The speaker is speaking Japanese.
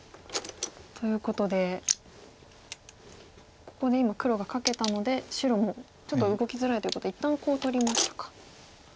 ということでここで今黒がカケたので白もちょっと動きづらいということで一旦コウ取りましたか。